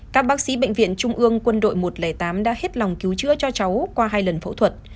các bác sĩ bệnh viện trung ương quân đội một trăm linh tám đã hết lòng cứu chữa cho cháu qua hai lần phẫu thuật